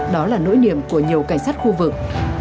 đó là nỗi niềm của nhiều cảnh sát khu vực